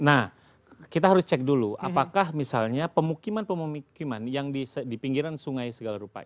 nah kita harus cek dulu apakah misalnya pemukiman pemukiman yang di pinggiran sungai segala rupa